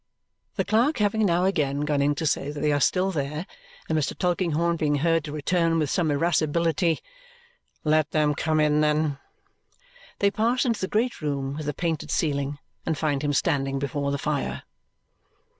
The clerk having now again gone in to say that they are still there and Mr. Tulkinghorn being heard to return with some irascibility, "Let 'em come in then!" they pass into the great room with the painted ceiling and find him standing before the fire.